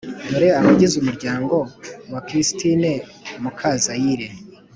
dore abagize umuryango wa christine mukazayire